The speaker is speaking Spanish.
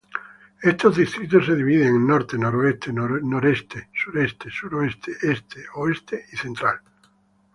Estos distritos se dividen en Norte, Noroeste, Noreste, Sureste, Suroeste, Este, Oeste y Central.